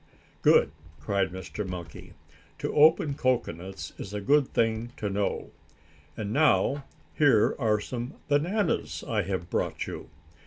"Good!" cried Mr. Monkey. "To open cocoanuts is a good thing to know. And now here are some bananas I have brought you."